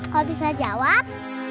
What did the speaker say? kau bisa jawab